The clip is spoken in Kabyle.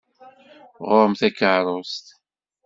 Ɣur-m takeṛṛust!